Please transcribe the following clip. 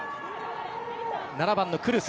７番のクルス。